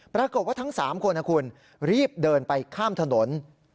ปรากฏว่าทั้ง๓คนนะคุณรีบเดินไปข้ามถนน